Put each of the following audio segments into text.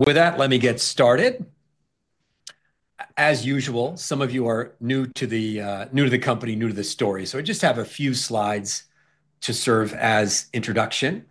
With that, let me get started. As usual, some of you are new to the company, new to the story, so I just have a few slides to serve as introduction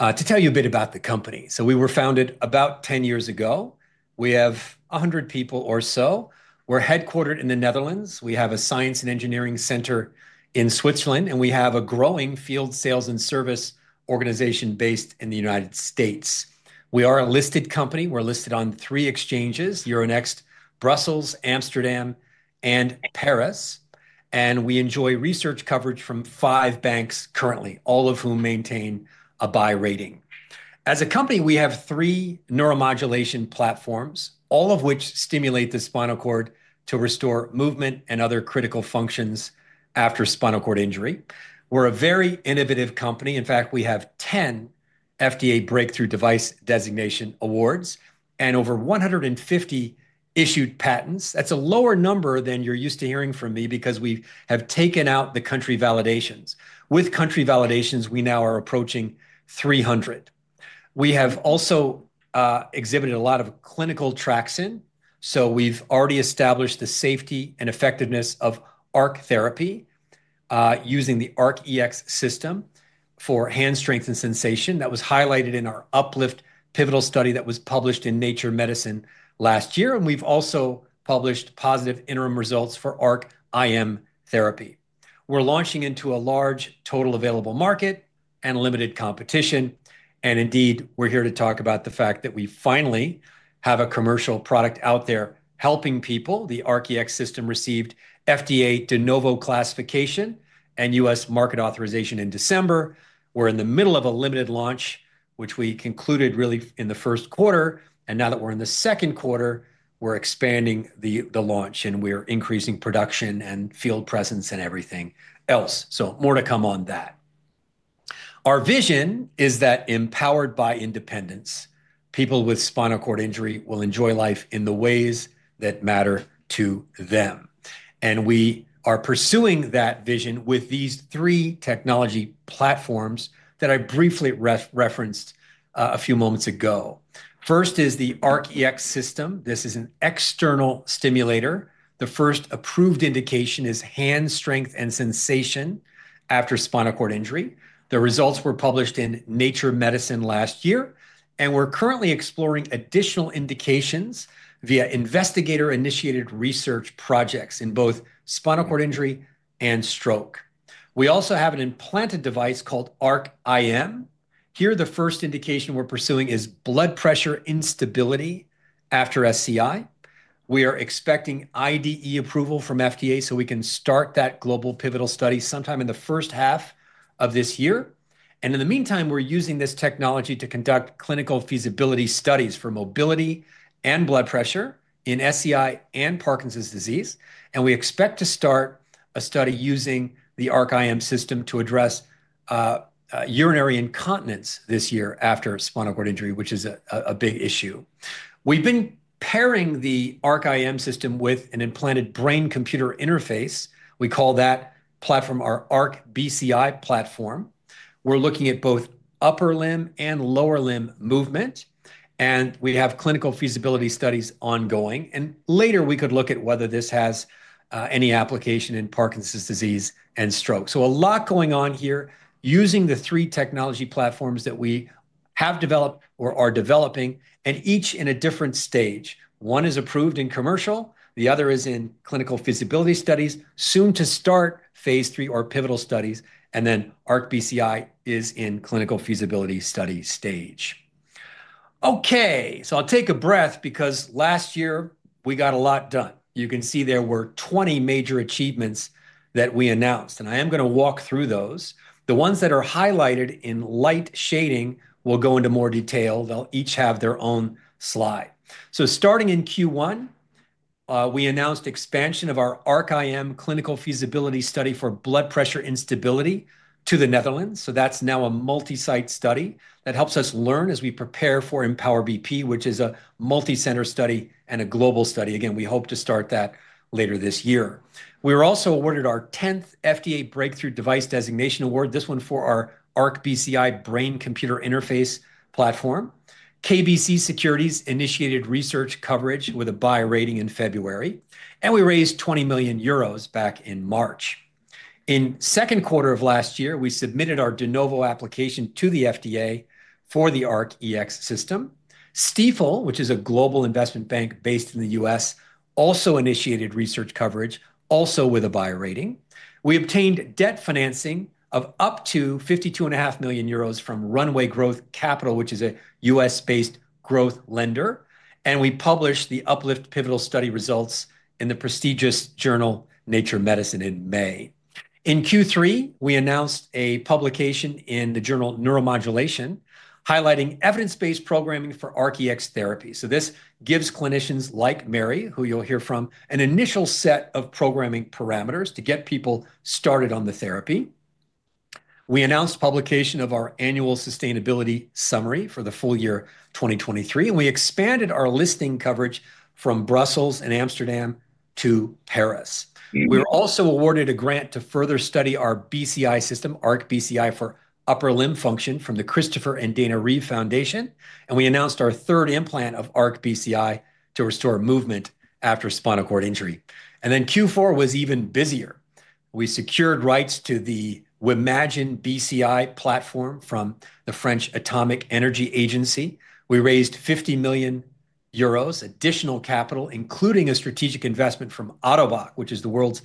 to tell you a bit about the company. We were founded about 10 years ago. We have 100 people or so. We're headquartered in the Netherlands. We have a science and engineering center in Switzerland, and we have a growing field sales and service organization based in the United States. We are a listed company. We're listed on three exchanges: Euronext, Brussels, Amsterdam, and Paris. We enjoy research coverage from five banks currently, all of whom maintain a buy rating. As a company, we have three neuromodulation platforms, all of which stimulate the spinal cord to restore movement and other critical functions after spinal cord injury. We're a very innovative company. In fact, we have 10 FDA Breakthrough Device Designation Awards and over 150 issued patents. That's a lower number than you're used to hearing from me because we have taken out the country validations. With country validations, we now are approaching 300. We have also exhibited a lot of clinical traction, so we've already established the safety and effectiveness of ARC therapy using the ARC EX system for hand strength and sensation. That was highlighted in our Uplift Pivotal study that was published in Nature Medicine last year. We have also published positive interim results for ARC IM therapy. We're launching into a large total available market and limited competition. Indeed, we're here to talk about the fact that we finally have a commercial product out there helping people. The ARC EX system received FDA de novo classification and U.S. market authorization in December. We're in the middle of a limited launch, which we concluded really in the first quarter. Now that we're in the second quarter, we're expanding the launch and we're increasing production and field presence and everything else. More to come on that. Our vision is that empowered by independence, people with spinal cord injury will enjoy life in the ways that matter to them. We are pursuing that vision with these three technology platforms that I briefly referenced a few moments ago. First is the ARC EX system. This is an external stimulator. The first approved indication is hand strength and sensation after spinal cord injury. The results were published in Nature Medicine last year. We're currently exploring additional indications via investigator-initiated research projects in both spinal cord injury and stroke. We also have an implanted device called ARC IM. Here, the first indication we're pursuing is blood pressure instability after SCI. We are expecting IDE approval from FDA so we can start that global pivotal study sometime in the first half of this year. In the meantime, we're using this technology to conduct clinical feasibility studies for mobility and blood pressure in SCI and Parkinson's disease. We expect to start a study using the ARC IM system to address urinary incontinence this year after spinal cord injury, which is a big issue. We've been pairing the ARC IM system with an implanted brain-computer interface. We call that platform our ARC BCI platform. We're looking at both upper limb and lower limb movement. We have clinical feasibility studies ongoing. Later, we could look at whether this has any application in Parkinson's disease and stroke. A lot going on here using the three technology platforms that we have developed or are developing and each in a different stage. One is approved and commercial. The other is in clinical feasibility studies, soon to start phase three or pivotal studies. ARC BCI is in clinical feasibility study stage. Okay, I'll take a breath because last year we got a lot done. You can see there were 20 major achievements that we announced. I am going to walk through those. The ones that are highlighted in light shading will go into more detail. They'll each have their own slide. Starting in Q1, we announced expansion of our ARC IM clinical feasibility study for blood pressure instability to the Netherlands. That is now a multi-site study that helps us learn as we prepare for Empower BP, which is a multi-center study and a global study. Again, we hope to start that later this year. We were also awarded our 10th FDA Breakthrough Device Designation Award, this one for our ARC BCI brain computer interface platform. KBC Securities initiated research coverage with a buy rating in February. We raised 20 million euros back in March. In the second quarter of last year, we submitted our de novo application to the FDA for the ARC EX system. Stifel, which is a global investment bank based in the U.S., also initiated research coverage, also with a buy rating. We obtained debt financing of up to 52.5 million euros from Runway Growth Capital, which is a U.S.-based growth lender. We published the Uplift Pivotal study results in the prestigious journal Nature Medicine in May. In Q3, we announced a publication in the journal Neuromodulation highlighting evidence-based programming for ARC EX therapy. This gives clinicians like Mary, who you'll hear from, an initial set of programming parameters to get people started on the therapy. We announced publication of our annual sustainability summary for the full year 2023. We expanded our listing coverage from Brussels and Amsterdam to Paris. We were also awarded a grant to further study our BCI system, ARC BCI for upper limb function from the Christopher and Dana Reeve Foundation. We announced our third implant of ARC BCI to restore movement after spinal cord injury. Q4 was even busier. We secured rights to the Wimagine BCI platform from the French Atomic Energy Agency. We raised 50 million euros additional capital, including a strategic investment from Autobot, which is the world's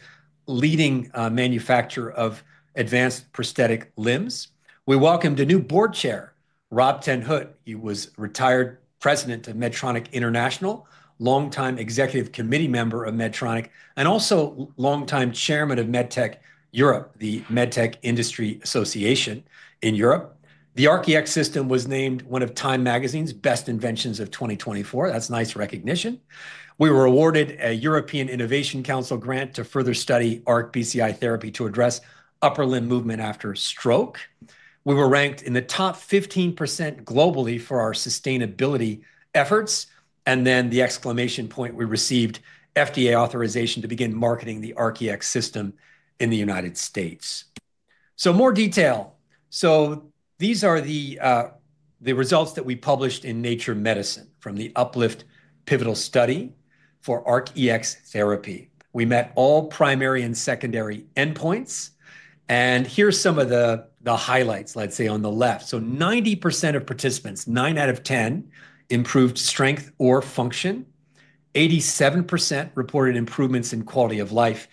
leading manufacturer of advanced prosthetic limbs. We welcomed a new Board Chair, Rob ten Hoedt. He was retired President of Medtronic International, longtime executive committee member of Medtronic, and also longtime Chairman of MedTech Europe, the MedTech Industry Association in Europe. The ARC EX system was named one of Time Magazine's Best Inventions of 2024. That's nice recognition. We were awarded a European Innovation Council grant to further study ARC BCI therapy to address upper limb movement after stroke. We were ranked in the top 15% globally for our sustainability efforts. The exclamation point, we received FDA authorization to begin marketing the ARC EX system in the United States. More detail. These are the results that we published in Nature Medicine from the Uplift Pivotal study for ARC EX therapy. We met all primary and secondary endpoints. Here are some of the highlights, let's say on the left. 90% of participants, 9 out of 10, improved strength or function. 87% reported improvements in quality of life.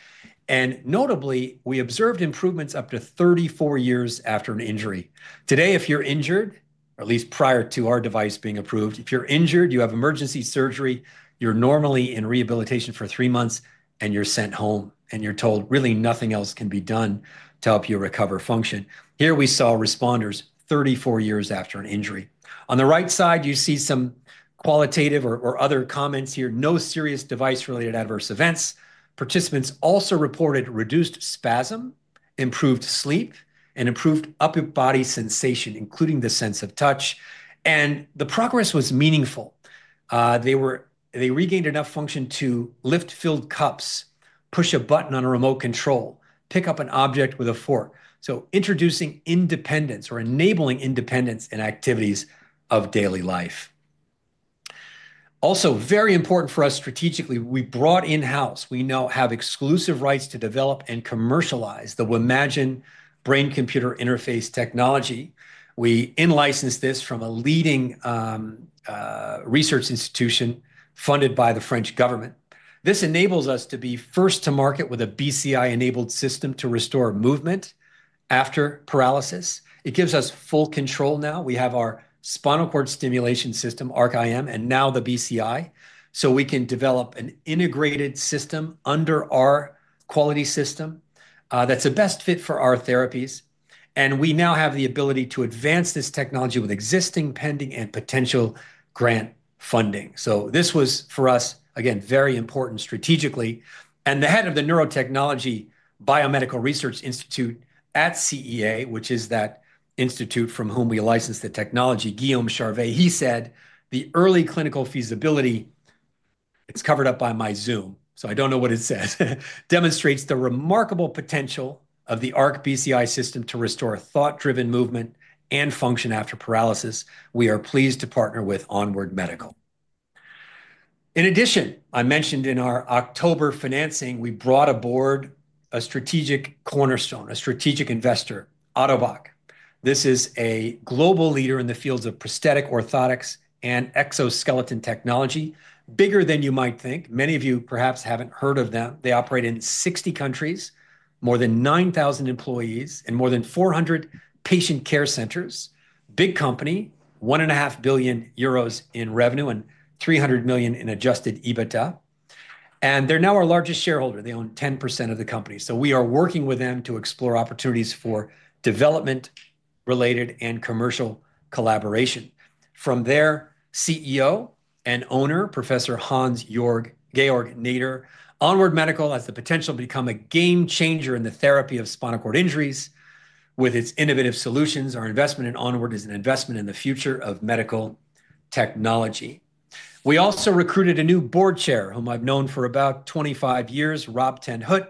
Notably, we observed improvements up to 34 years after an injury. Today, if you're injured, or at least prior to our device being approved, if you're injured, you have emergency surgery, you're normally in rehabilitation for three months, and you're sent home. You're told really nothing else can be done to help you recover function. Here we saw responders 34 years after an injury. On the right side, you see some qualitative or other comments here. No serious device-related adverse events. Participants also reported reduced spasm, improved sleep, and improved upper body sensation, including the sense of touch. The progress was meaningful. They regained enough function to lift filled cups, push a button on a remote control, pick up an object with a fork. Introducing independence or enabling independence in activities of daily life. Also very important for us strategically, we brought in-house, we now have exclusive rights to develop and commercialize the Wimagine brain computer interface technology. We licensed this from a leading research institution funded by the French government. This enables us to be first to market with a BCI-enabled system to restore movement after paralysis. It gives us full control now. We have our spinal cord stimulation system, ARC IM, and now the BCI. We can develop an integrated system under our quality system that is a best fit for our therapies. We now have the ability to advance this technology with existing pending and potential grant funding. This was for us, again, very important strategically. The Head of the Neurotechnology Biomedical Research Institute at CEA, which is that institute from whom we licensed the technology, Guillaume Charvet, said, "The early clinical feasibility, it's covered up by my Zoom, so I don't know what it says, demonstrates the remarkable potential of the ARC BCI system to restore thought-driven movement and function after paralysis. We are pleased to partner with Onward Medical." In addition, I mentioned in our October financing, we brought aboard a strategic cornerstone, a strategic investor, Autobot. This is a global leader in the fields of prosthetic orthotics and exoskeleton technology, bigger than you might think. Many of you perhaps have not heard of them. They operate in 60 countries, more than 9,000 employees, and more than 400 patient care centers. Big company, 1.5 billion euros in revenue and 300 million in adjusted EBITDA. They are now our largest shareholder. They own 10% of the company. We are working with them to explore opportunities for development-related and commercial collaboration. From their CEO and owner, Professor Hans Georg Näder, Onward Medical has the potential to become a game changer in the therapy of spinal cord injuries with its innovative solutions. Our investment in Onward is an investment in the future of medical technology. We also recruited a new board chair, whom I've known for about 25 years, Rob ten Hoedt,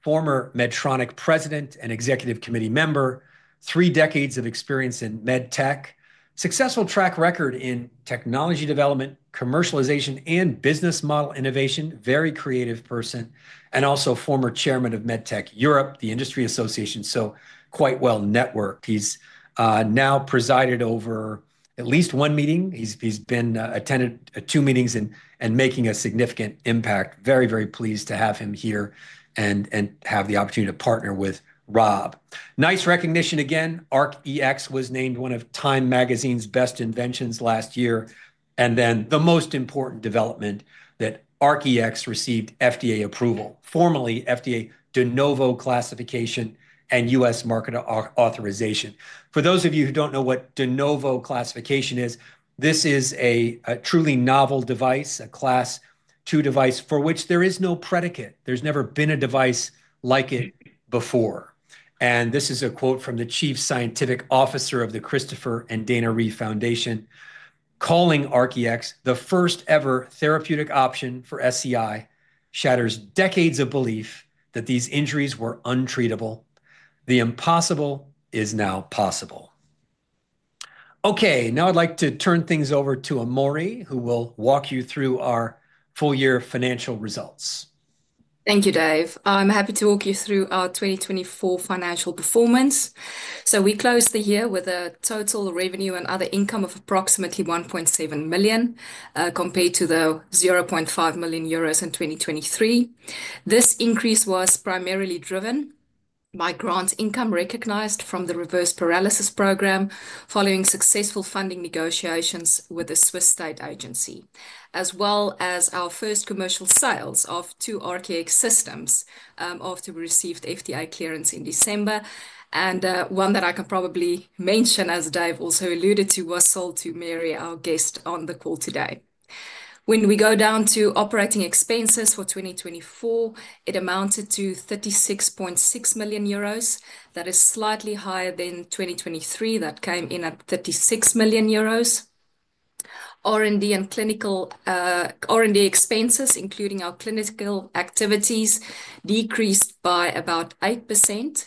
former Medtronic president and executive committee member, three decades of experience in med tech, successful track record in technology development, commercialization, and business model innovation, very creative person, and also former chairman of MedTech Europe, the industry association, so quite well networked. He's now presided over at least one meeting. He's been attending two meetings and making a significant impact. Very, very pleased to have him here and have the opportunity to partner with Rob. Nice recognition again. ARC EX was named one of Time Magazine's best inventions last year. The most important development that ARC EX received FDA approval, formally FDA de novo classification and U.S. market authorization. For those of you who do not know what de novo classification is, this is a truly novel device, a class two device for which there is no predicate. There has never been a device like it before. This is a quote from the Chief Scientific Officer of the Christopher and Dana Reeve Foundation, calling ARC EX the first ever therapeutic option for SCI, shatters decades of belief that these injuries were untreatable. The impossible is now possible. Now I would like to turn things over to Amori, who will walk you through our full year financial results. Thank you, Dave. I am happy to walk you through our 2024 financial performance. We closed the year with a total revenue and other income of approximately 1.7 million compared to the 0.5 million euros in 2023. This increase was primarily driven by grants income recognized from the reverse paralysis program following successful funding negotiations with a Swiss state agency, as well as our first commercial sales of two ARC EX systems after we received FDA clearance in December. One that I can probably mention, as Dave also alluded to, was sold to Mary, our guest on the call today. When we go down to operating expenses for 2024, it amounted to 36.6 million euros. That is slightly higher than 2023 that came in at 36 million euros. R&D and clinical R&D expenses, including our clinical activities, decreased by about 8%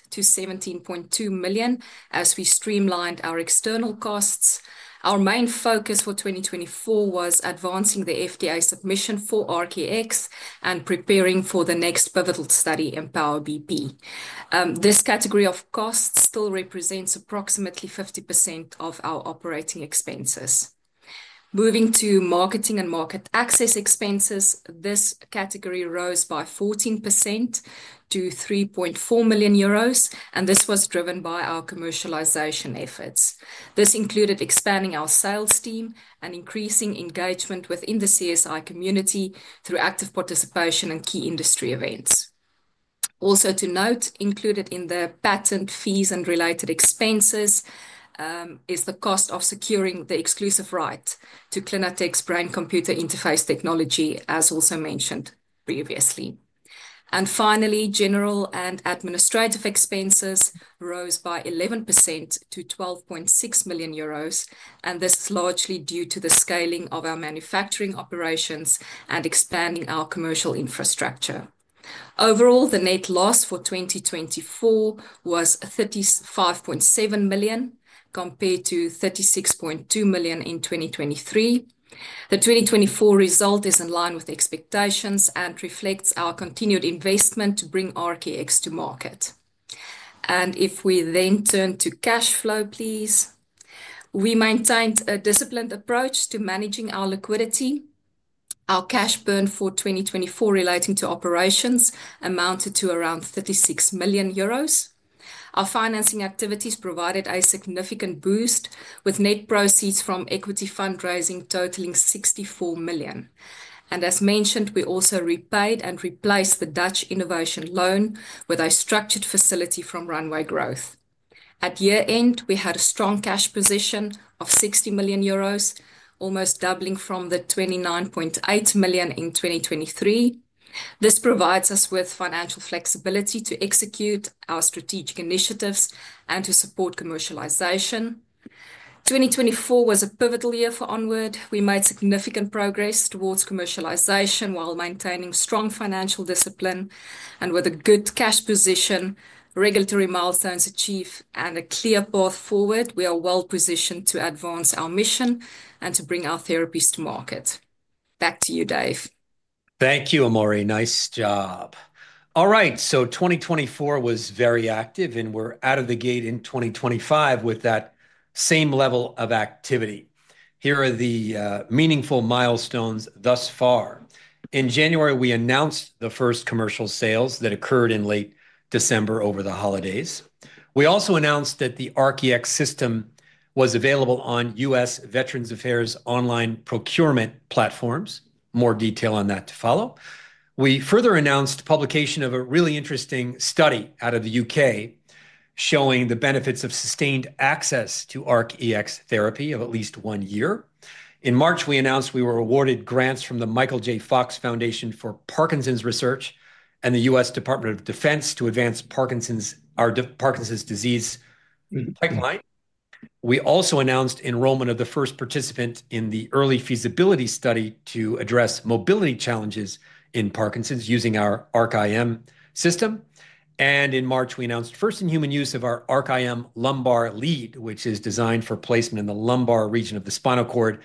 to 17.2 million as we streamlined our external costs. Our main focus for 2024 was advancing the FDA submission for ARC EX and preparing for the next pivotal study, Empower BP. This category of costs still represents approximately 50% of our operating expenses. Moving to marketing and market access expenses, this category rose by 14% to 3.4 million euros. This was driven by our commercialization efforts. This included expanding our sales team and increasing engagement within the SCI community through active participation and key industry events. Also to note, included in the patent fees and related expenses is the cost of securing the exclusive right to Wimagine brain-computer interface technology, as also mentioned previously. Finally, general and administrative expenses rose by 11% to 12.6 million euros. This is largely due to the scaling of our manufacturing operations and expanding our commercial infrastructure. Overall, the net loss for 2024 was 35.7 million compared to 36.2 million in 2023. The 2024 result is in line with expectations and reflects our continued investment to bring ARC EX to market. If we then turn to cash flow, please. We maintained a disciplined approach to managing our liquidity. Our cash burn for 2024 relating to operations amounted to around 36 million euros. Our financing activities provided a significant boost with net proceeds from equity fundraising totaling 64 million. As mentioned, we also repaid and replaced the Dutch innovation loan with a structured facility from Runway Growth. At year end, we had a strong cash position of 60 million euros, almost doubling from the 29.8 million in 2023. This provides us with financial flexibility to execute our strategic initiatives and to support commercialization. 2024 was a pivotal year for Onward Medical. We made significant progress towards commercialization while maintaining strong financial discipline. With a good cash position, regulatory milestones achieved, and a clear path forward, we are well positioned to advance our mission and to bring our therapies to market. Back to you, Dave. Thank you, Amori. Nice job. All right, so 2024 was very active, and we're out of the gate in 2025 with that same level of activity. Here are the meaningful milestones thus far. In January, we announced the first commercial sales that occurred in late December over the holidays. We also announced that the ARC EX system was available on U.S. Veterans Affairs online procurement platforms. More detail on that to follow. We further announced publication of a really interesting study out of the U.K. showing the benefits of sustained access to ARC EX therapy of at least one year. In March, we announced we were awarded grants from the Michael J. Fox Foundation for Parkinson's Research and the U.S. Department of Defense to advance Parkinson's disease pipeline. We also announced enrollment of the first participant in the early feasibility study to address mobility challenges in Parkinson's using our ARC IM system. In March, we announced first in human use of our ARC IM lumbar lead, which is designed for placement in the lumbar region of the spinal cord,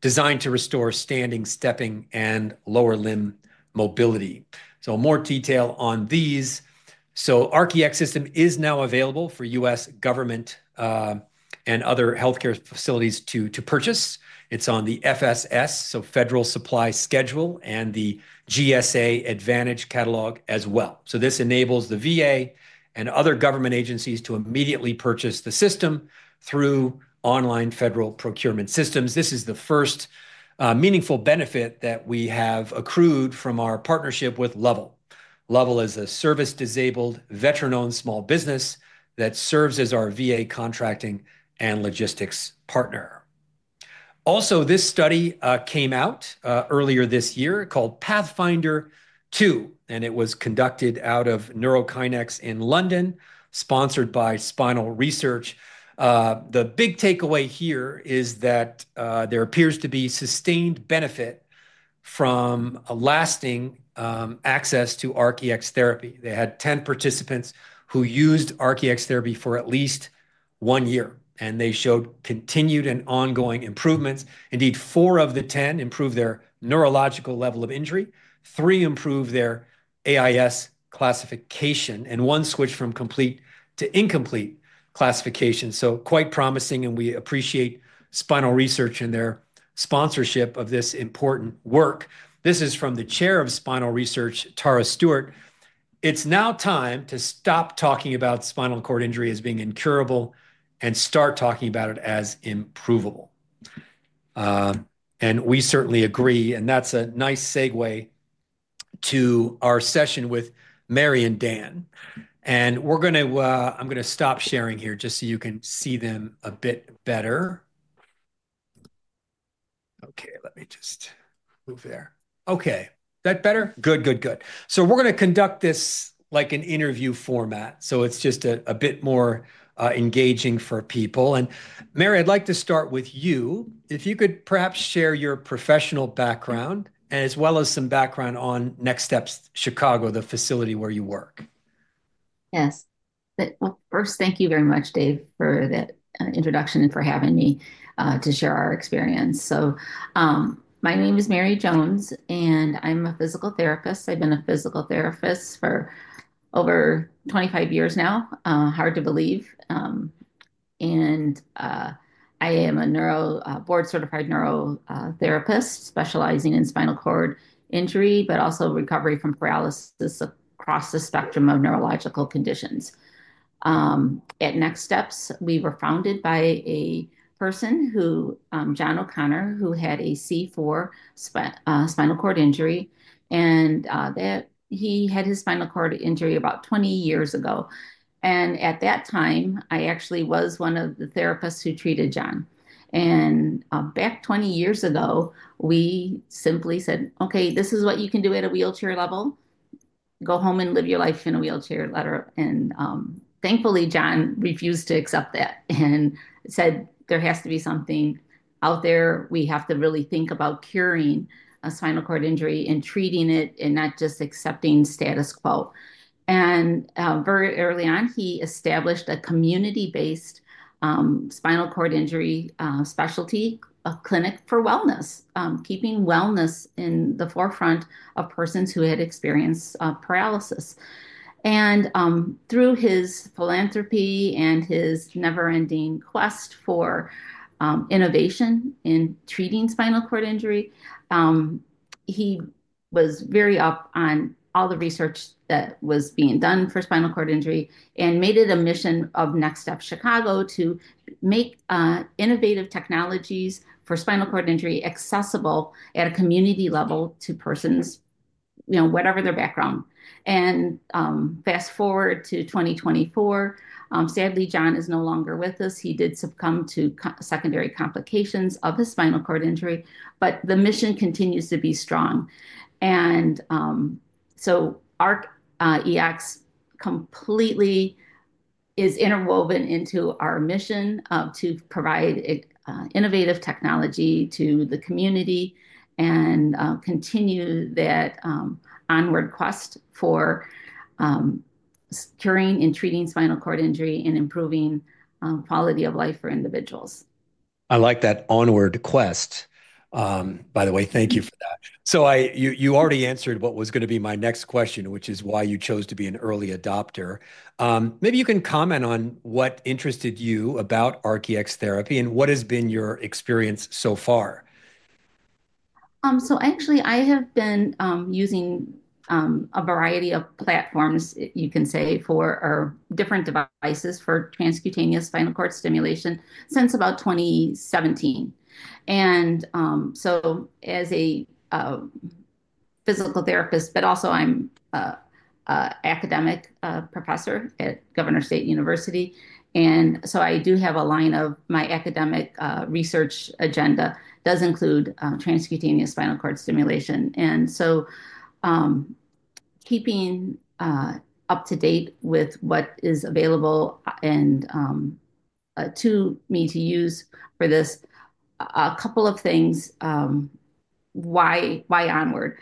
designed to restore standing, stepping, and lower limb mobility. More detail on these. ARC EX system is now available for U.S. government and other healthcare facilities to purchase. It is on the Federal Supply Schedule, and the GSA Advantage catalog as well. This enables the VA and other government agencies to immediately purchase the system through online federal procurement systems. This is the first meaningful benefit that we have accrued from our partnership with Lovell. Lovell is a service-disabled veteran-owned small business that serves as our VA contracting and logistics partner. Also, this study came out earlier this year called Pathfinder 2, and it was conducted out of Neurokinex in London, sponsored by Spinal Research. The big takeaway here is that there appears to be sustained benefit from a lasting access to ARC EX therapy. They had 10 participants who used ARC EX therapy for at least one year, and they showed continued and ongoing improvements. Indeed, four of the 10 improved their neurological level of injury, three improved their AIS classification, and one switched from complete to incomplete classification. Quite promising, and we appreciate Spinal Research and their sponsorship of this important work. This is from the chair of Spinal Research, Tara Stewart. It's now time to stop talking about spinal cord injury as being incurable and start talking about it as improvable. We certainly agree, and that's a nice segue to our session with Mary and Dan. We're going to, I'm going to stop sharing here just so you can see them a bit better. Okay, let me just move there. Okay, that better? Good, good, good. We're going to conduct this like an interview format. It is just a bit more engaging for people. Mary, I'd like to start with you. If you could perhaps share your professional background as well as some background on Next Steps Chicago, the facility where you work. Yes. First, thank you very much, Dave, for that introduction and for having me to share our experience. My name is Mary Jones, and I'm a physical therapist. I've been a physical therapist for over 25 years now. Hard to believe. I am a board-certified neurotherapist specializing in spinal cord injury, but also recovery from paralysis across the spectrum of neurological conditions. At Next Steps, we were founded by a person, Jon O'Connor, who had a C4 spinal cord injury. He had his spinal cord injury about 20 years ago. At that time, I actually was one of the therapists who treated Jon. Back 20 years ago, we simply said, "Okay, this is what you can do at a wheelchair level. Go home and live your life in a wheelchair." Thankfully, John refused to accept that and said, "There has to be something out there. We have to really think about curing a spinal cord injury and treating it and not just accepting status quo." Very early on, he established a community-based spinal cord injury specialty, a clinic for wellness, keeping wellness in the forefront of persons who had experienced paralysis. Through his philanthropy and his never-ending quest for innovation in treating spinal cord injury, he was very up on all the research that was being done for spinal cord injury and made it a mission of Next Steps Chicago to make innovative technologies for spinal cord injury accessible at a community level to persons, whatever their background. Fast forward to 2024, sadly, John is no longer with us. He did succumb to secondary complications of his spinal cord injury, but the mission continues to be strong. ARC EX completely is interwoven into our mission to provide innovative technology to the community and continue that onward quest for curing and treating spinal cord injury and improving quality of life for individuals. I like that onward quest. By the way, thank you for that. You already answered what was going to be my next question, which is why you chose to be an early adopter. Maybe you can comment on what interested you about ARC EX therapy and what has been your experience so far. Actually, I have been using a variety of platforms, you can say, for different devices for transcutaneous spinal cord stimulation since about 2017. As a physical therapist, but also I am an academic professor at Governor State University. I do have a line of my academic research agenda that does include transcutaneous spinal cord stimulation. Keeping up to date with what is available and to me to use for this, a couple of things, why Onward?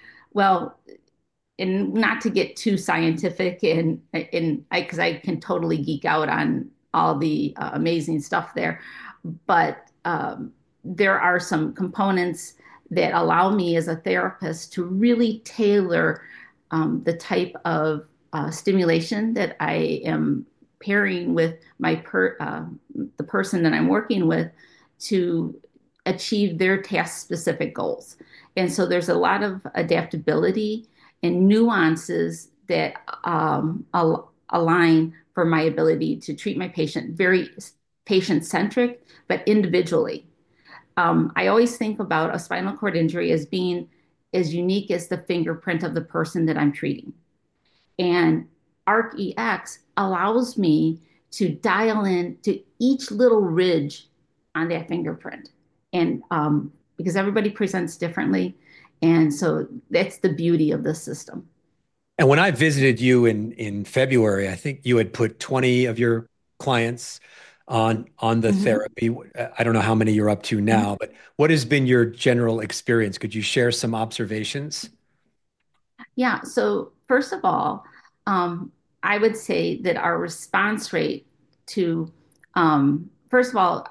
Not to get too scientific because I can totally geek out on all the amazing stuff there, but there are some components that allow me as a therapist to really tailor the type of stimulation that I am pairing with the person that I'm working with to achieve their task-specific goals. There is a lot of adaptability and nuances that align for my ability to treat my patient very patient-centric, but individually. I always think about a spinal cord injury as being as unique as the fingerprint of the person that I'm treating. ARC EX allows me to dial into each little ridge on that fingerprint because everybody presents differently. That is the beauty of the system. When I visited you in February, I think you had put 20 of your clients on the therapy. I don't know how many you're up to now, but what has been your general experience? Could you share some observations? Yeah. First of all, I would say that our response rate to, first of all,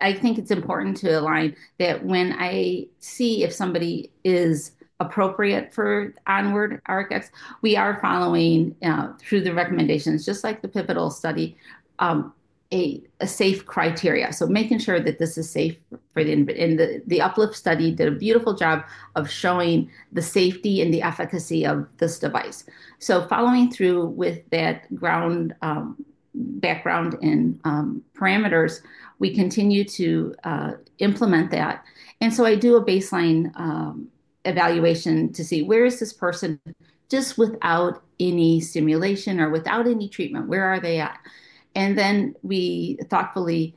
I think it's important to align that when I see if somebody is appropriate for Onward ARC EX, we are following through the recommendations, just like the pivotal study, a safe criteria. Making sure that this is safe for the Uplift study did a beautiful job of showing the safety and the efficacy of this device. Following through with that background and parameters, we continue to implement that. I do a baseline evaluation to see where is this person just without any stimulation or without any treatment, where are they at? We thoughtfully,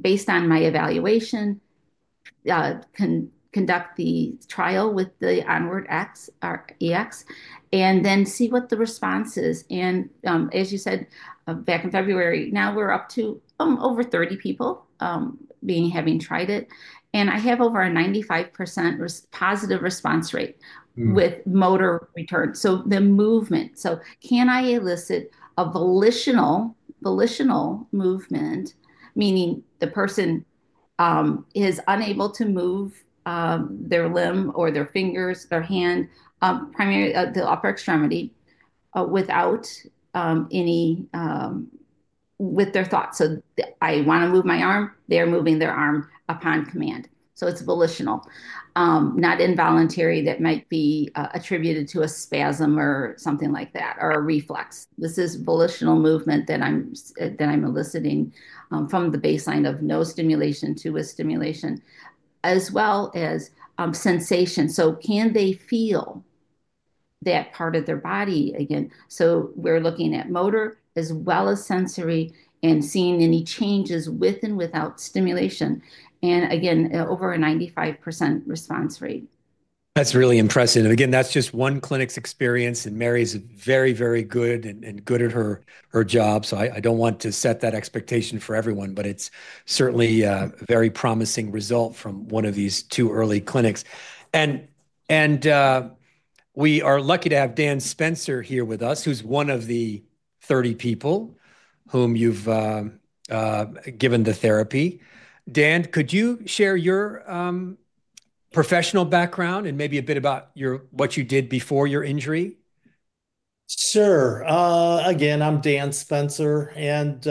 based on my evaluation, conduct the trial with the ARC EX and then see what the response is. As you said back in February, now we are up to over 30 people having tried it. I have over a 95% positive response rate with motor return. The movement, so can I elicit a volitional movement, meaning the person is unable to move their limb or their fingers, their hand, primarily the upper extremity, without any—with their thoughts. I want to move my arm, they are moving their arm upon command. It is volitional, not involuntary that might be attributed to a spasm or something like that or a reflex. This is volitional movement that I am eliciting from the baseline of no stimulation to a stimulation as well as sensation. Can they feel that part of their body again? We're looking at motor as well as sensory and seeing any changes with and without stimulation. Again, over a 95% response rate. That's really impressive. Again, that's just one clinic's experience. Mary is very, very good and good at her job. I don't want to set that expectation for everyone, but it's certainly a very promising result from one of these two early clinics. We are lucky to have Dan Spencer here with us, who's one of the 30 people whom you've given the therapy. Dan, could you share your professional background and maybe a bit about what you did before your injury? Sure. Again, I'm Dan Spencer, and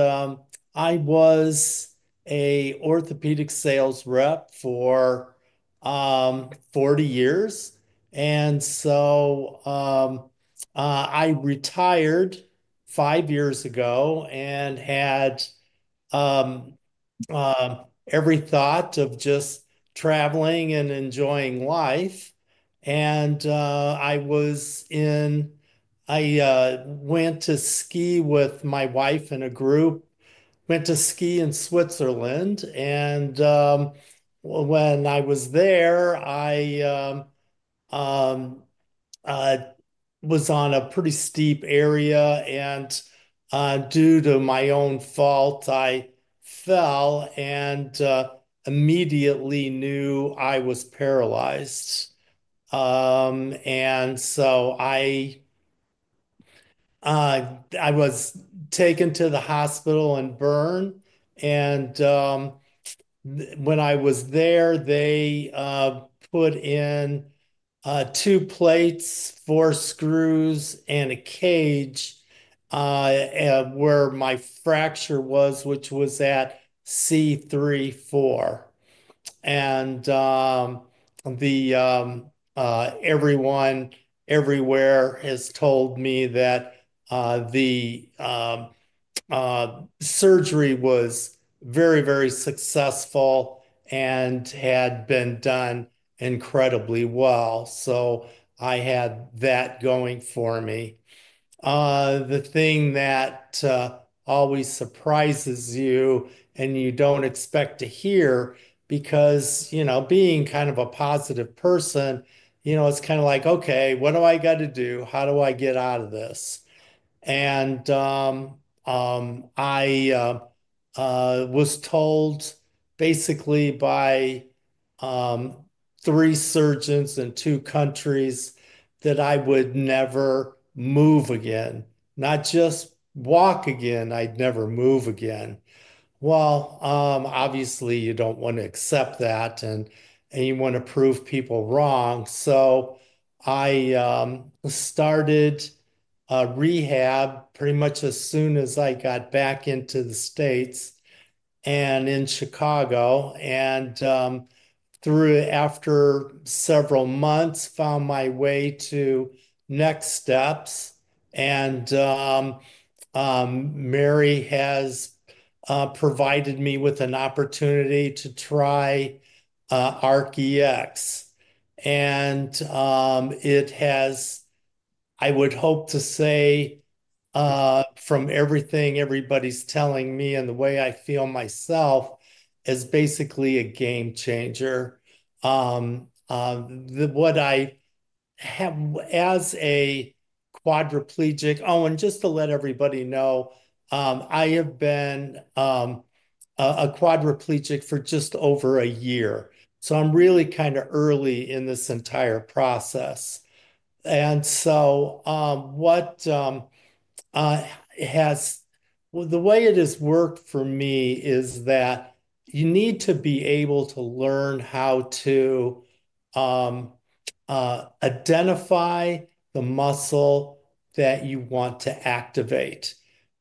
I was an Orthopedic Sales Rep for 40 years. I retired five years ago and had every thought of just traveling and enjoying life. I went to ski with my wife in a group, went to ski in Switzerland. When I was there, I was on a pretty steep area. Due to my own fault, I fell and immediately knew I was paralyzed. I was taken to the hospital in Bern. When I was there, they put in two plates, four screws, and a cage where my fracture was, which was at C3-4. Everyone everywhere has told me that the surgery was very, very successful and had been done incredibly well. I had that going for me. The thing that always surprises you and you don't expect to hear because being kind of a positive person, it's kind of like, "Okay, what do I got to do? How do I get out of this?" I was told basically by three surgeons in two countries that I would never move again, not just walk again. I would never move again. Obviously, you do not want to accept that, and you want to prove people wrong. I started rehab pretty much as soon as I got back into the States and in Chicago. After several months, I found my way to Next Steps. Mary has provided me with an opportunity to try ARC EX. It has, I would hope to say, from everything everybody is telling me and the way I feel myself, is basically a game changer. What I have as a quadriplegic—oh, and just to let everybody know, I have been a quadriplegic for just over a year. I am really kind of early in this entire process. The way it has worked for me is that you need to be able to learn how to identify the muscle that you want to activate.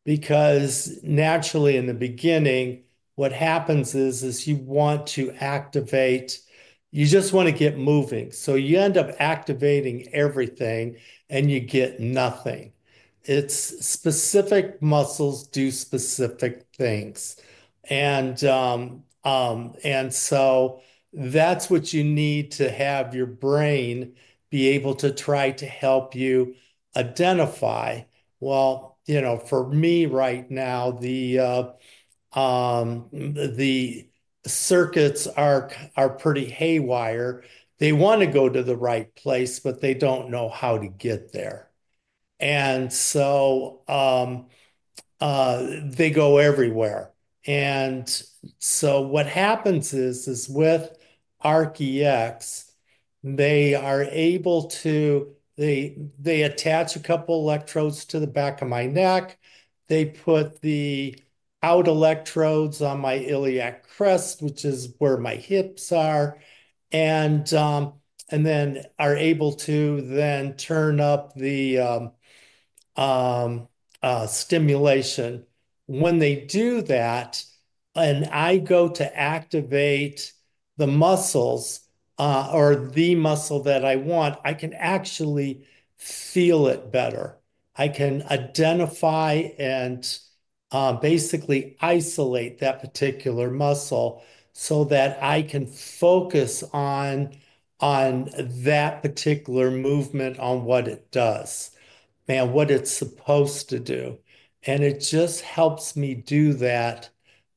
Because naturally, in the beginning, what happens is you want to activate—you just want to get moving. You end up activating everything, and you get nothing. Specific muscles do specific things. That is what you need to have your brain be able to try to help you identify. For me right now, the circuits are pretty haywire. They want to go to the right place, but they do not know how to get there. They go everywhere. What happens is with ARC EX, they are able to—they attach a couple of electrodes to the back of my neck. They put the out electrodes on my iliac crest, which is where my hips are, and then are able to then turn up the stimulation. When they do that, and I go to activate the muscles or the muscle that I want, I can actually feel it better. I can identify and basically isolate that particular muscle so that I can focus on that particular movement, on what it does and what it's supposed to do. It just helps me do that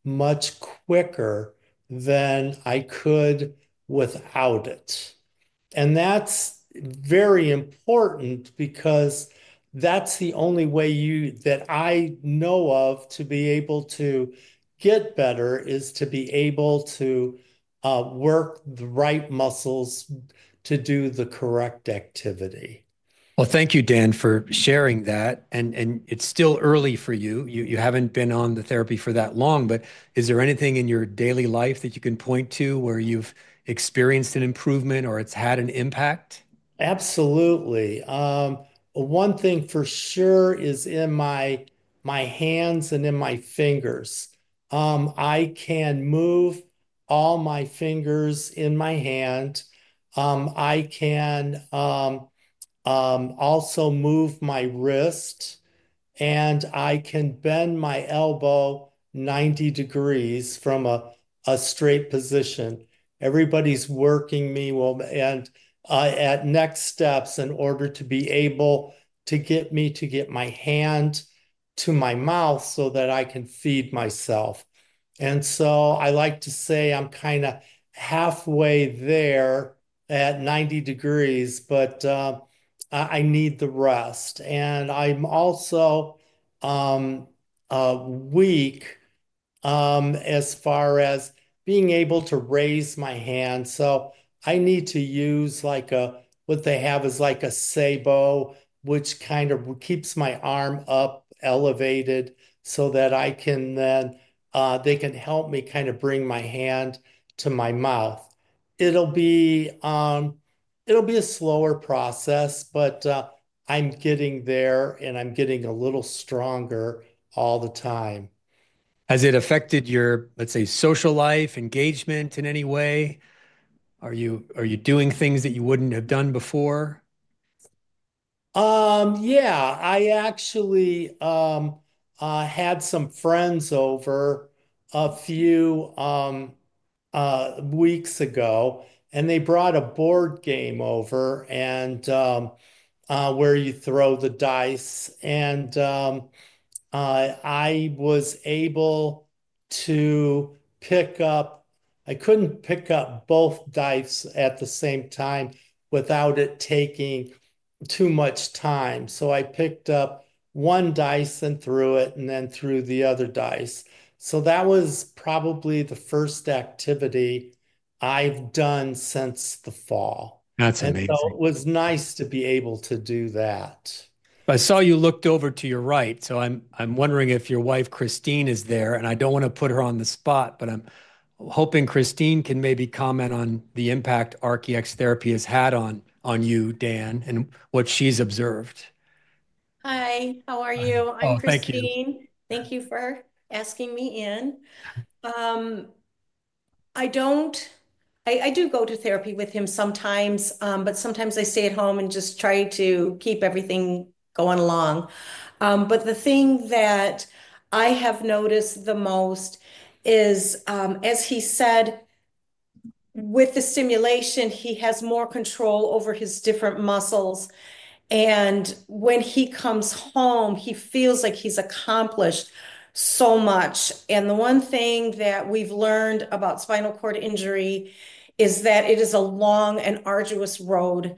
much quicker than I could without it. That is very important because that is the only way that I know of to be able to get better is to be able to work the right muscles to do the correct activity. Thank you, Dan, for sharing that. It is still early for you. You haven't been on the therapy for that long, but is there anything in your daily life that you can point to where you've experienced an improvement or it's had an impact? Absolutely. One thing for sure is in my hands and in my fingers. I can move all my fingers in my hand. I can also move my wrist, and I can bend my elbow 90 degrees from a straight position. Everybody's working me at Next Steps in order to be able to get me to get my hand to my mouth so that I can feed myself. I like to say I'm kind of halfway there at 90 degrees, but I need the rest. I'm also weak as far as being able to raise my hand. I need to use what they have is like a Sebo which kind of keeps my arm up elevated so that they can help me kind of bring my hand to my mouth. It will be a slower process, but I'm getting there and I'm getting a little stronger all the time. Has it affected your, let's say, social life, engagement in any way? Are you doing things that you wouldn't have done before? Yeah. I actually had some friends over a few weeks ago, and they brought a board game over where you throw the dice. I was able to pick up—I could not pick up both dice at the same time without it taking too much time. I picked up one dice and threw it and then threw the other dice. That was probably the first activity I've done since the fall. That's amazing. It was nice to be able to do that. I saw you looked over to your right. I am wondering if your wife, Christine, is there. I do not want to put her on the spot, but I am hoping Christine can maybe comment on the impact ARC EX therapy has had on you, Dan, and what she has observed. Hi. How are you? I am Christine. Oh, thank you. Thank you for asking me in. I do go to therapy with him sometimes, but sometimes I stay at home and just try to keep everything going along. The thing that I have noticed the most is, as he said, with the stimulation, he has more control over his different muscles. When he comes home, he feels like he has accomplished so much. The one thing that we've learned about spinal cord injury is that it is a long and arduous road.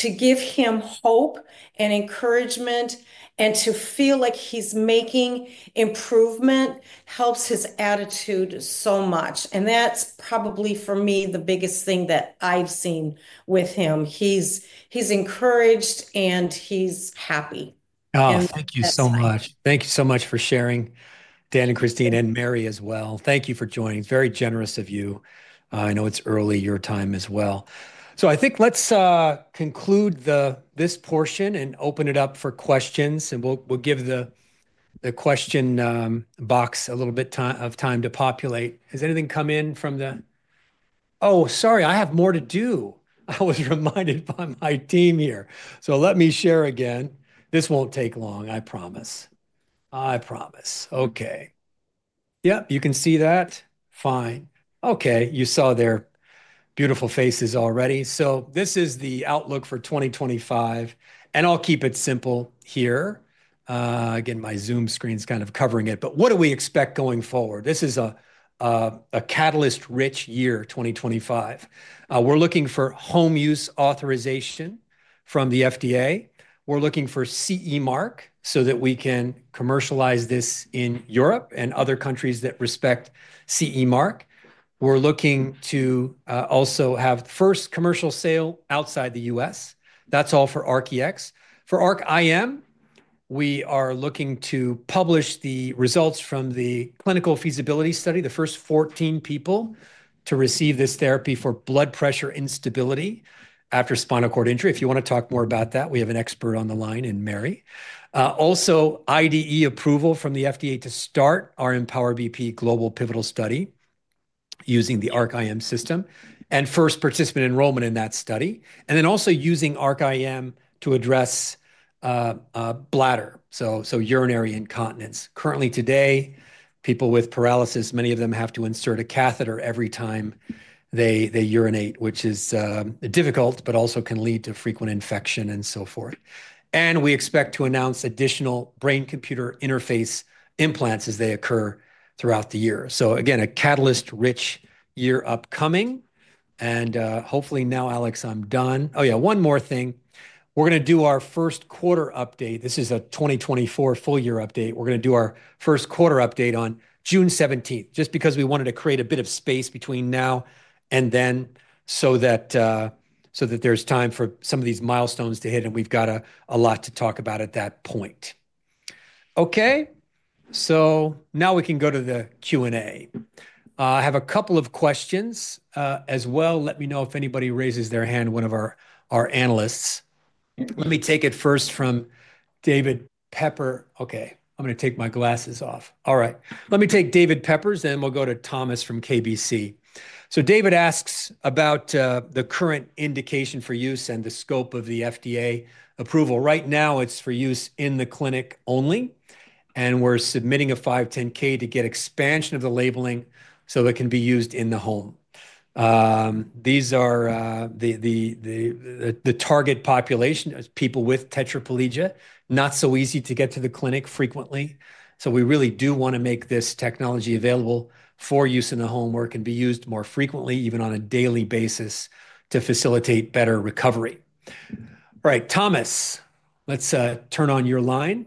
To give him hope and encouragement and to feel like he's making improvement helps his attitude so much. That's probably, for me, the biggest thing that I've seen with him. He's encouraged and he's happy. Oh, thank you so much. Thank you so much for sharing, Dan and Christine, and Mary as well. Thank you for joining. Very generous of you. I know it's early your time as well. I think let's conclude this portion and open it up for questions. We'll give the question box a little bit of time to populate. Has anything come in from the—oh, sorry, I have more to do. I was reminded by my team here. Let me share again. This won't take long, I promise. I promise. Okay. Yep, you can see that. Fine. Okay. You saw their beautiful faces already. This is the outlook for 2025. I'll keep it simple here. Again, my Zoom screen's kind of covering it. What do we expect going forward? This is a catalyst-rich year, 2025. We're looking for home use authorization from the FDA. We're looking for CE Mark so that we can commercialize this in Europe and other countries that respect CE Mark. We're looking to also have the first commercial sale outside the U.S. That's all for ARC EX. For ARC IM, we are looking to publish the results from the clinical feasibility study, the first 14 people to receive this therapy for blood pressure instability after spinal cord injury. If you want to talk more about that, we have an expert on the line and Mary. Also, IDE approval from the FDA to start our Empower BP Global Pivotal Study using the ARC IM system and first participant enrollment in that study. Also using ARC IM to address bladder, so urinary incontinence. Currently today, people with paralysis, many of them have to insert a catheter every time they urinate, which is difficult, but also can lead to frequent infection and so forth. We expect to announce additional brain-computer interface implants as they occur throughout the year. Again, a catalyst-rich year upcoming. Hopefully now, Alex, I'm done. Oh yeah, one more thing. We're going to do our first quarter update. This is a 2024 full year update. We're going to do our first quarter update on June 17th, just because we wanted to create a bit of space between now and then so that there's time for some of these milestones to hit. We have a lot to talk about at that point. Okay. Now we can go to the Q&A. I have a couple of questions as well. Let me know if anybody raises their hand, one of our analysts. Let me take it first from David Pepper. Okay. I'm going to take my glasses off. All right. Let me take David Pepper's, then we'll go to Thomas from KBC. David asks about the current indication for use and the scope of the FDA approval. Right now, it's for use in the clinic only. We're submitting a 510(k) to get expansion of the labeling so it can be used in the home. These are the target population, people with tetraplegia, not so easy to get to the clinic frequently. We really do want to make this technology available for use in the home where it can be used more frequently, even on a daily basis, to facilitate better recovery. All right. Thomas, let's turn on your line.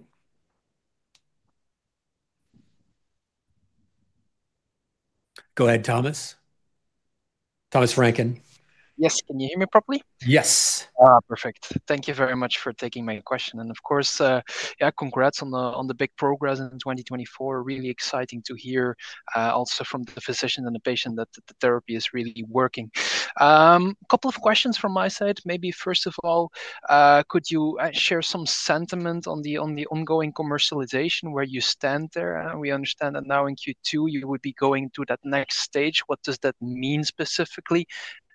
Go ahead, Thomas. Thomas Franken. Yes. Can you hear me properly? Yes. Perfect. Thank you very much for taking my question. Of course, yeah, congrats on the big progress in 2024. Really exciting to hear also from the physician and the patient that the therapy is really working. A couple of questions from my side. Maybe first of all, could you share some sentiment on the ongoing commercialization, where you stand there? We understand that now in Q2, you would be going to that next stage. What does that mean specifically?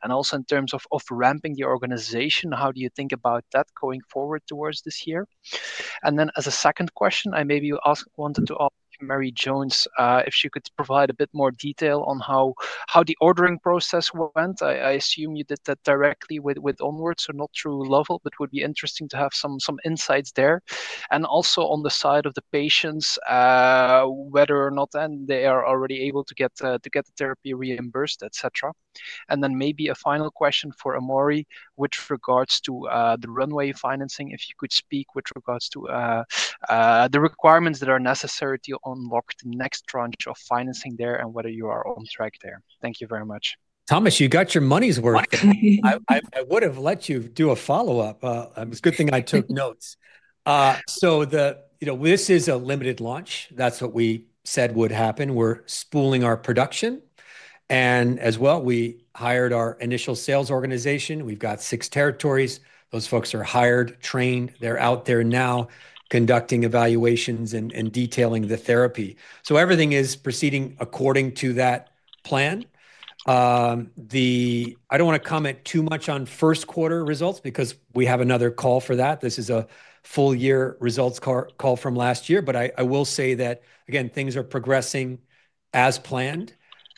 In terms of ramping the organization, how do you think about that going forward towards this year? As a second question, I maybe wanted to ask Mary Jones if she could provide a bit more detail on how the ordering process went. I assume you did that directly with Onward, so not through Lovell, but it would be interesting to have some insights there. Also on the side of the patients, whether or not they are already able to get the therapy reimbursed, etc. Maybe a final question for Amori, which regards to the runway financing, if you could speak with regards to the requirements that are necessary to unlock the next tranche of financing there and whether you are on track there. Thank you very much. Thomas, you got your money's worth. I would have let you do a follow-up. It was a good thing I took notes. This is a limited launch. That is what we said would happen. We are spooling our production. As well, we hired our initial sales organization. We have six territories. Those folks are hired, trained. They are out there now conducting evaluations and detailing the therapy. Everything is proceeding according to that plan. I do not want to comment too much on first quarter results because we have another call for that. This is a full year results call from last year. I will say that, again, things are progressing as planned.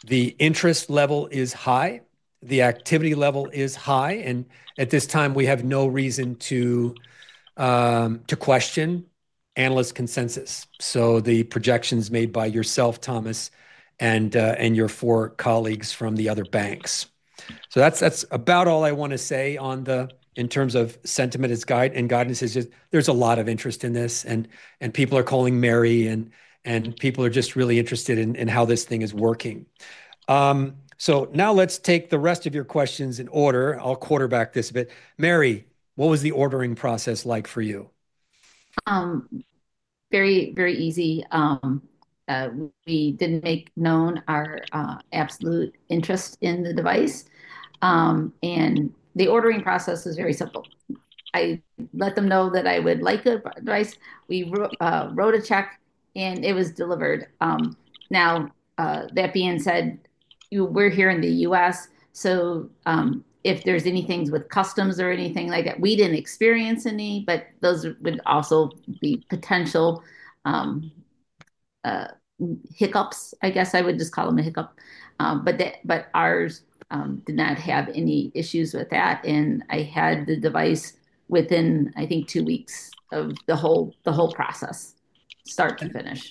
The interest level is high. The activity level is high. At this time, we have no reason to question analyst consensus. The projections made by yourself, Thomas, and your four colleagues from the other banks. That is about all I want to say in terms of sentiment and guidance. There's a lot of interest in this, and people are calling Mary, and people are just really interested in how this thing is working. Now let's take the rest of your questions in order. I'll quarterback this a bit. Mary, what was the ordering process like for you? Very, very easy. We didn't make known our absolute interest in the device. The ordering process was very simple. I let them know that I would like a device. We wrote a check, and it was delivered. That being said, we're here in the U.S. If there are any things with customs or anything like that, we didn't experience any, but those would also be potential hiccups. I guess I would just call them a hiccup. Ours did not have any issues with that. I had the device within, I think, two weeks of the whole process, start to finish.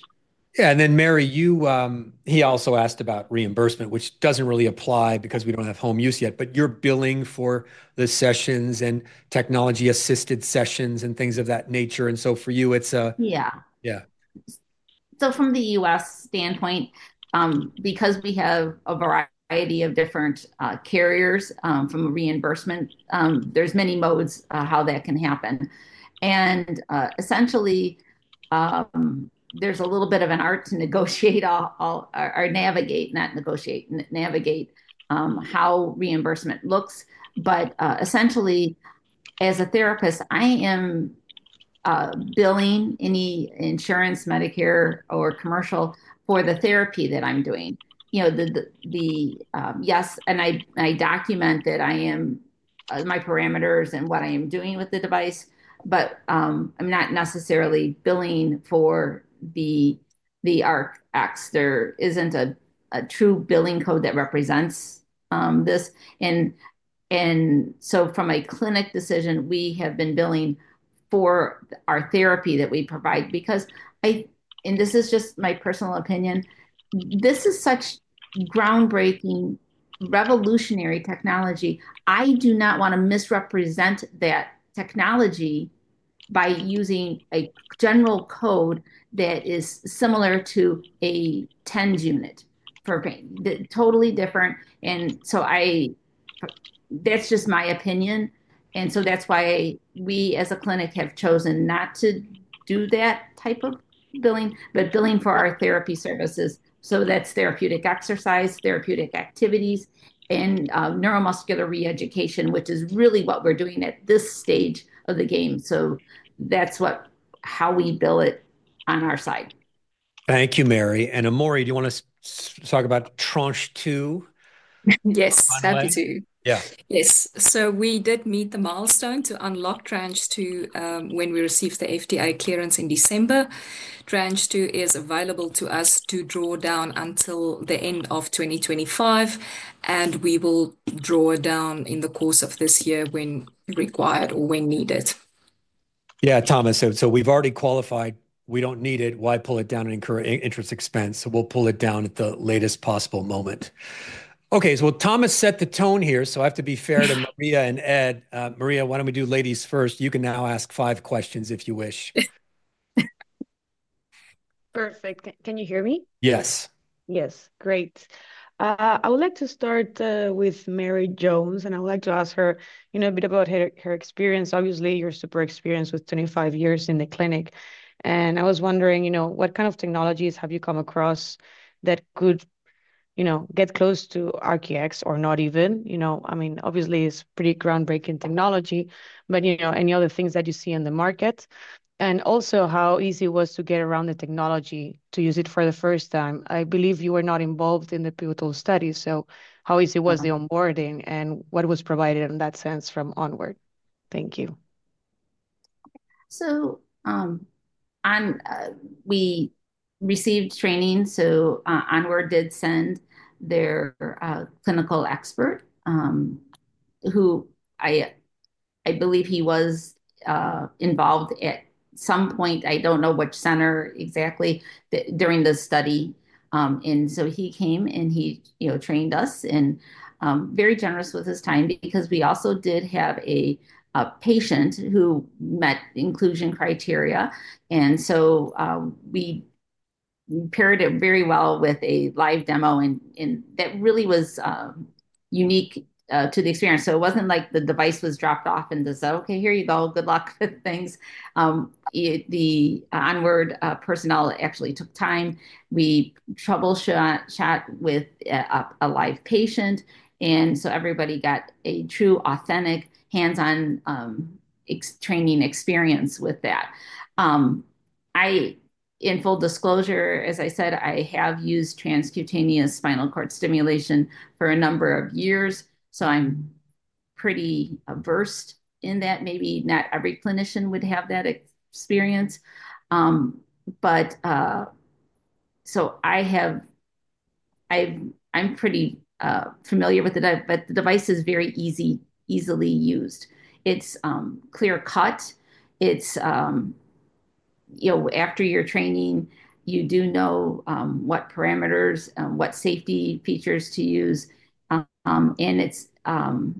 Yeah. Mary, he also asked about reimbursement, which does not really apply because we do not have home use yet, but you are billing for the sessions and technology-assisted sessions and things of that nature. For you, it is a—yeah. Yeah. From the U.S. standpoint, because we have a variety of different carriers for reimbursement, there are many modes how that can happen. Essentially, there is a little bit of an art to navigate how reimbursement looks. Essentially, as a therapist, I am billing any insurance, Medicare, or commercial for the therapy that I am doing. Yes, and I document my parameters and what I am doing with the device, but I am not necessarily billing for the ARC EX. There isn't a true billing code that represents this. From a clinic decision, we have been billing for our therapy that we provide. This is just my personal opinion. This is such groundbreaking, revolutionary technology. I do not want to misrepresent that technology by using a general code that is similar to a TENS unit for pain. Totally different. That is just my opinion. That is why we, as a clinic, have chosen not to do that type of billing, but billing for our therapy services. That is therapeutic exercise, therapeutic activities, and neuromuscular reeducation, which is really what we are doing at this stage of the game. That is how we bill it on our side. Thank you, Mary. Amori, do you want to talk about tranche two? Yes, that too. Yeah. Yes. We did meet the milestone to unlock tranche two when we received the FDA clearance in December. Tranche two is available to us to draw down until the end of 2025. We will draw down in the course of this year when required or when needed. Yeah, Thomas. We have already qualified. We do not need it. Why pull it down and incur interest expense? We will pull it down at the latest possible moment. Okay. Thomas set the tone here. I have to be fair to Maria and Ed. Maria, why do we not do ladies first? You can now ask five questions if you wish. Perfect. Can you hear me? Yes. Yes. Great. I would like to start with Mary Jones, and I would like to ask her a bit about her experience. Obviously, you are super experienced with 25 years in the clinic. I was wondering, what kind of technologies have you come across that could get close to ARC EX or not even? I mean, obviously, it's pretty groundbreaking technology, but any other things that you see in the market? Also, how easy it was to get around the technology to use it for the first time? I believe you were not involved in the pivotal study. How easy was the onboarding and what was provided in that sense from Onward? Thank you. We received training. Onward did send their clinical expert, who I believe was involved at some point. I don't know which center exactly during the study. He came and he trained us and was very generous with his time because we also did have a patient who met inclusion criteria. We paired it very well with a live demo that really was unique to the experience. It was not like the device was dropped off and just said, "Okay, here you go. Good luck with things." The Onward personnel actually took time. We troubleshoot with a live patient. Everybody got a true, authentic, hands-on training experience with that. In full disclosure, as I said, I have used transcutaneous spinal cord stimulation for a number of years. I am pretty versed in that. Maybe not every clinician would have that experience. I am pretty familiar with it, but the device is very easily used. It is clear-cut. After your training, you do know what parameters, what safety features to use. They have done an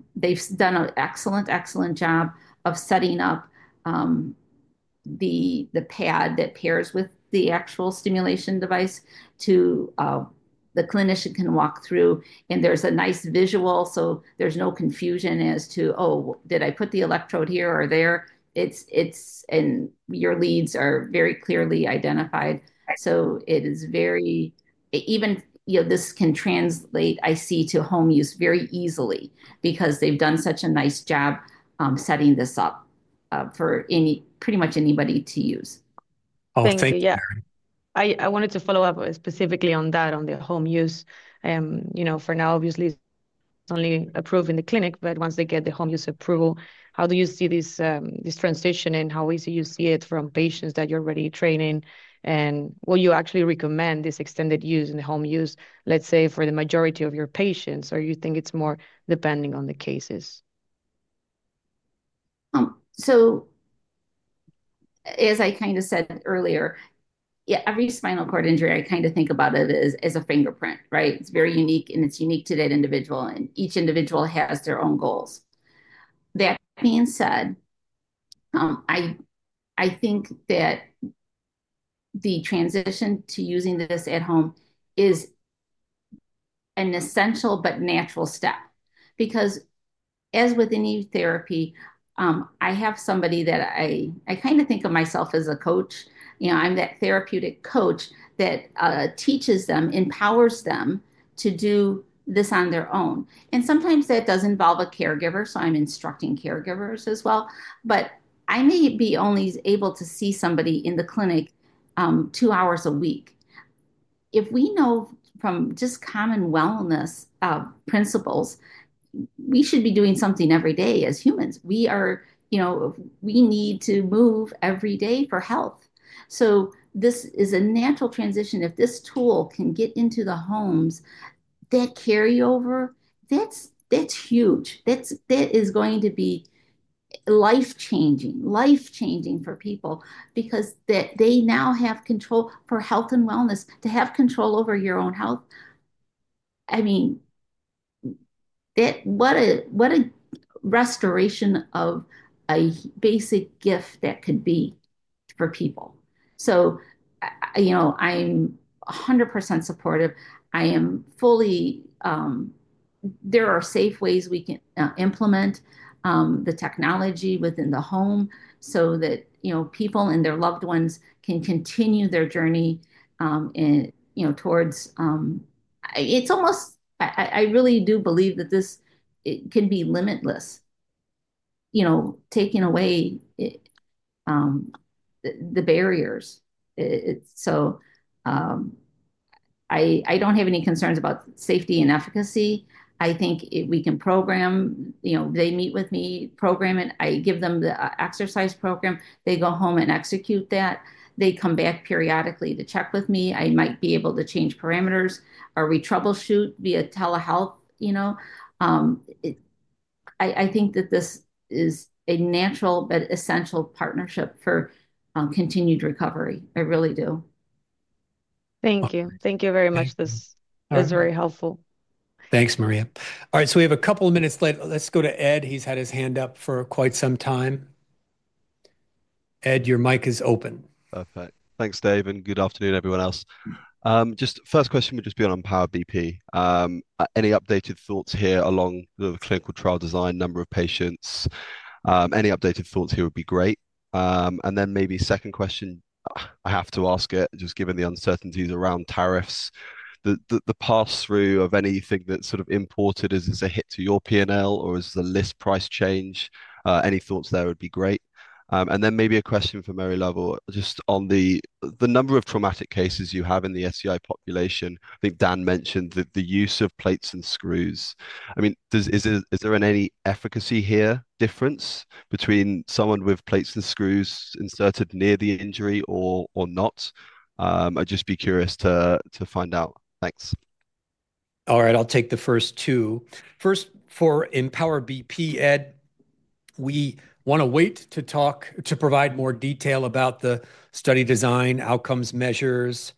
excellent, excellent job of setting up the pad that pairs with the actual stimulation device so the clinician can walk through. There is a nice visual, so there is no confusion as to, "Oh, did I put the electrode here or there?" Your leads are very clearly identified. It is very—even this can translate, I see, to home use very easily because they have done such a nice job setting this up for pretty much anybody to use. Thank you. I wanted to follow up specifically on that, on the home use. For now, obviously, it is only approved in the clinic, but once they get the home use approval, how do you see this transition and how easy you see it from patients that you are already training? Will you actually recommend this extended use in the home use, let's say, for the majority of your patients, or do you think it is more depending on the cases? As I kind of said earlier, every spinal cord injury, I kind of think about it as a fingerprint, right? It's very unique, and it's unique to that individual. Each individual has their own goals. That being said, I think that the transition to using this at home is an essential but natural step. Because as with any therapy, I have somebody that I kind of think of myself as a coach. I'm that therapeutic coach that teaches them, empowers them to do this on their own. Sometimes that does involve a caregiver, so I'm instructing caregivers as well. I may be only able to see somebody in the clinic two hours a week. If we know from just common wellness principles, we should be doing something every day as humans. We need to move every day for health. This is a natural transition. If this tool can get into the homes, that carryover, that's huge. That is going to be life-changing, life-changing for people because they now have control for health and wellness. To have control over your own health, I mean, what a restoration of a basic gift that could be for people. I am 100% supportive. I am fully—there are safe ways we can implement the technology within the home so that people and their loved ones can continue their journey towards—I really do believe that this can be limitless, taking away the barriers. I do not have any concerns about safety and efficacy. I think we can program. They meet with me, program it. I give them the exercise program. They go home and execute that. They come back periodically to check with me. I might be able to change parameters or retroubleshoot via telehealth. I think that this is a natural but essential partnership for continued recovery. I really do. Thank you. Thank you very much. This is very helpful. Thanks, Maria. All right. We have a couple of minutes left. Let's go to Ed. He's had his hand up for quite some time. Ed, your mic is open. Thanks, Dave. And good afternoon, everyone else. Just first question would just be on Empower BP. Any updated thoughts here along the clinical trial design, number of patients? Any updated thoughts here would be great. Then maybe second question, I have to ask it, just given the uncertainties around tariffs, the pass-through of anything that's sort of imported as a hit to your P&L or as the list price change. Any thoughts there would be great. Maybe a question for Mary Lovell just on the number of traumatic cases you have in the SCI population. I think Dan mentioned the use of plates and screws. I mean, is there any efficacy here difference between someone with plates and screws inserted near the injury or not? I'd just be curious to find out. Thanks. All right. I'll take the first two. First, for Empower BP, Ed, we want to wait to provide more detail about the study design, outcomes, measures,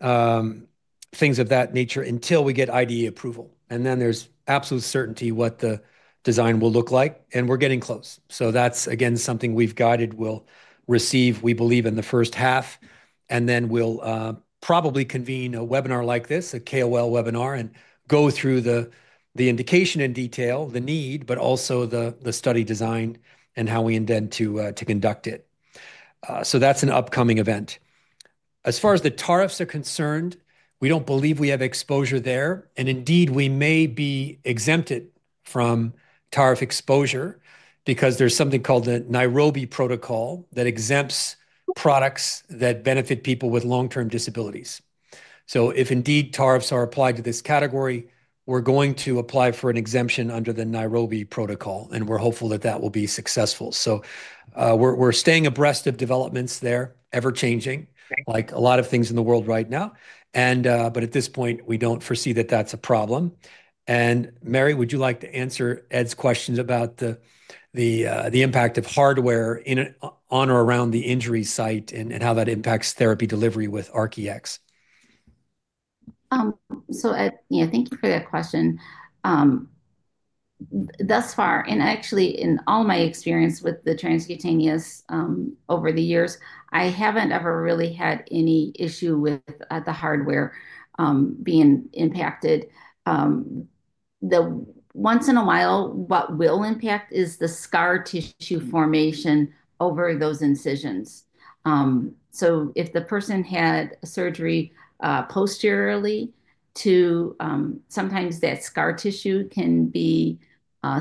things of that nature until we get IDE approval. Then there's absolute certainty what the design will look like. We're getting close. That's, again, something we've guided we'll receive, we believe, in the first half. We will probably convene a webinar like this, a KOL webinar, and go through the indication in detail, the need, but also the study design and how we intend to conduct it. That is an upcoming event. As far as the tariffs are concerned, we do not believe we have exposure there. Indeed, we may be exempted from tariff exposure because there is something called the Nairobi Protocol that exempts products that benefit people with long-term disabilities. If tariffs are applied to this category, we are going to apply for an exemption under the Nairobi Protocol. We are hopeful that will be successful. We are staying abreast of developments there, ever-changing, like a lot of things in the world right now. At this point, we do not foresee that is a problem. Mary, would you like to answer Ed's questions about the impact of hardware on or around the injury site and how that impacts therapy delivery with ARC EX? Thank you for that question. Thus far, and actually, in all my experience with the transcutaneous over the years, I haven't ever really had any issue with the hardware being impacted. Once in a while, what will impact is the scar tissue formation over those incisions. If the person had surgery posteriorly, sometimes that scar tissue can be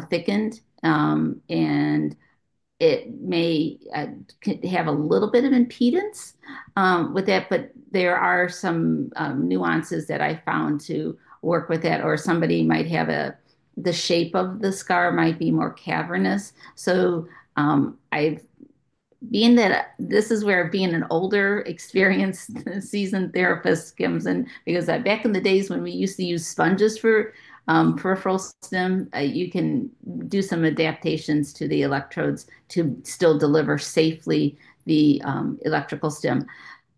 thickened, and it may have a little bit of impedance with that. There are some nuances that I found to work with that, or somebody might have the shape of the scar might be more cavernous. Being that this is where being an older, experienced, seasoned therapist comes in, because back in the days when we used to use sponges for peripheral stim, you can do some adaptations to the electrodes to still deliver safely the electrical stim.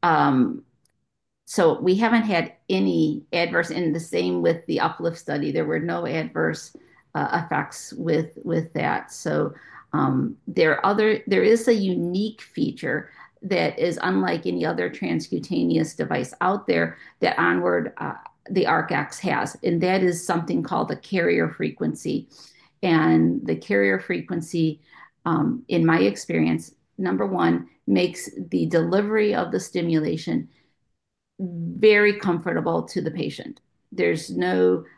We haven't had any adverse, and the same with the Uplift study. There were no adverse effects with that. There is a unique feature that is unlike any other transcutaneous device out there that Onward, the ARC EX, has. That is something called a carrier frequency. The carrier frequency, in my experience, number one, makes the delivery of the stimulation very comfortable to the patient.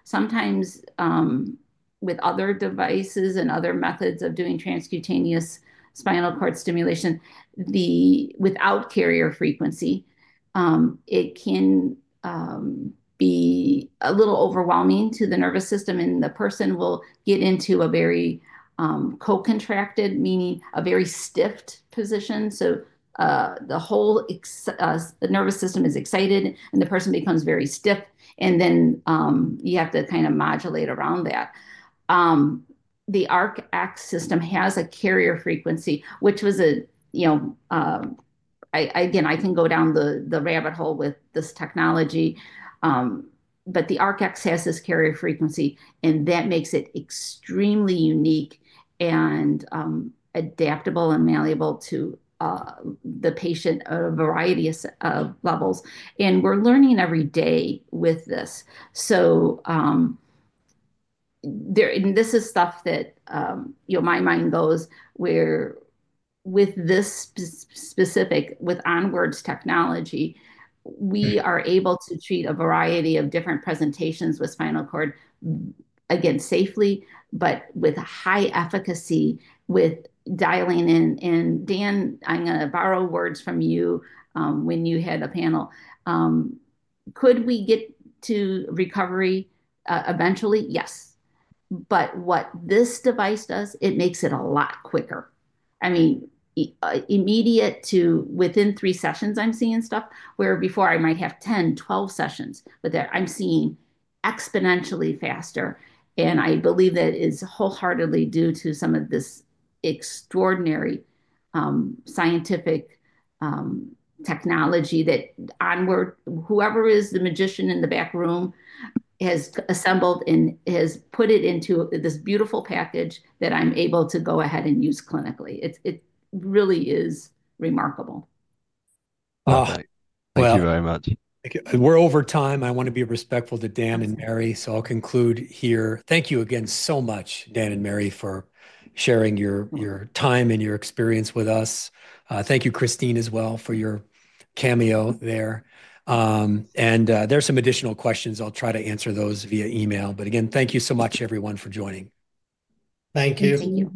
Sometimes with other devices and other methods of doing transcutaneous spinal cord stimulation, without carrier frequency, it can be a little overwhelming to the nervous system, and the person will get into a very co-contracted, meaning a very stiffed position. The whole nervous system is excited, and the person becomes very stiff. You have to kind of modulate around that. The ARC EX system has a carrier frequency, which was a—again, I can go down the rabbit hole with this technology. The ARC EX has this carrier frequency, and that makes it extremely unique and adaptable and malleable to the patient at a variety of levels. We are learning every day with this. This is stuff that my mind goes where with this specific, with Onward's technology, we are able to treat a variety of different presentations with spinal cord, again, safely, but with high efficacy with dialing in. Dan, I'm going to borrow words from you when you had a panel. Could we get to recovery eventually? Yes. What this device does, it makes it a lot quicker. I mean, immediate to within three sessions, I'm seeing stuff where before I might have 10, 12 sessions, but I'm seeing exponentially faster. I believe that is wholeheartedly due to some of this extraordinary scientific technology that Onward, whoever is the magician in the back room, has assembled and has put it into this beautiful package that I'm able to go ahead and use clinically. It really is remarkable. Thank you very much. We're over time. I want to be respectful to Dan and Mary, so I'll conclude here. Thank you again so much, Dan and Mary, for sharing your time and your experience with us. Thank you, Christine, as well, for your cameo there. There are some additional questions. I'll try to answer those via email. Again, thank you so much, everyone, for joining. Thank you. Thank you.